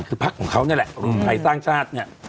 คือพักของเขานี่แหละรวมไทยสร้างชาติเนี่ย